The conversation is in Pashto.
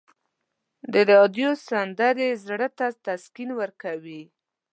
د راډیو سندرې زړه ته تسکین ورکوي.